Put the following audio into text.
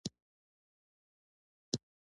سوالګر له ناروغۍ سره هم لاس غځوي